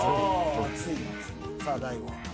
さあ大悟は？